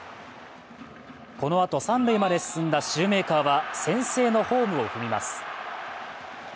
この後、三塁まで進んだシューメーカーは先制のホームを踏みます。